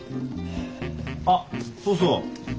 あっそうそう。